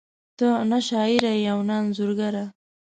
ته نه شاعره ېې او نه انځورګره